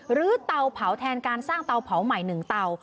เตาเผาแทนการสร้างเตาเผาใหม่๑เตา